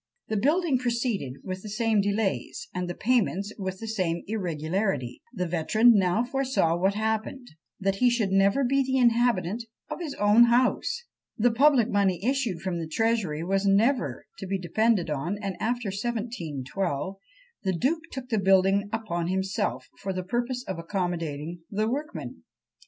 The building proceeded with the same delays, and the payments with the same irregularity; the veteran now foresaw what happened, that he should never be the inhabitant of his own house! The public money issued from the Treasury was never to be depended on; and after 1712, the duke took the building upon himself, for the purpose of accommodating the workmen.